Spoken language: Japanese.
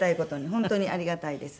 本当にありがたいです。